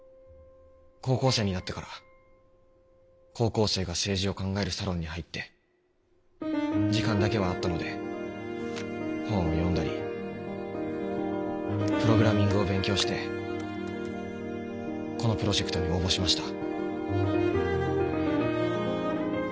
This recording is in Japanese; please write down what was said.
高校生になってから高校生が政治を考えるサロンに入って時間だけはあったので本を読んだりプログラミングを勉強してこのプロジェクトに応募しました。